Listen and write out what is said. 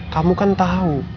kamu kan tau